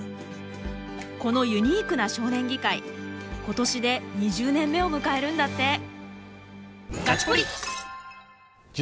このユニークな少年議会今年で２０年目を迎えるんだって。